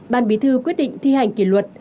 ban bí thư quyết định thi hành kỷ luật